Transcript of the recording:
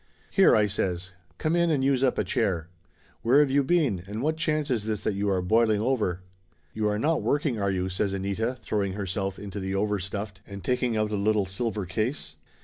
"Here!" I says. "Come in and use up a chair. Where have you been, and what chance is this that you are boiling over?" "You are not working, are you?" says Anita, throw ing herself into the overstuffed and taking out a little silver case.